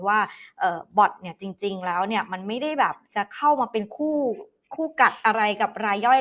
ว่าบอตเนี่ยจริงแล้วมันไม่ได้แบบจะเข้ามาเป็นคู่กัดอะไรกับรายย่อย